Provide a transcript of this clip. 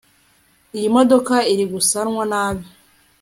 Iyi modoka iri gusanwa nabi